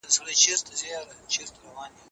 پانګه د صنعت د پراختيا لپاره بنسټيزه سرچينه ده.